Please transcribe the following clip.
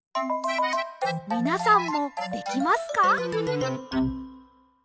みなさんもできますか？